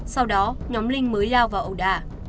sau đó nhóm linh mới lao vào ẩu đà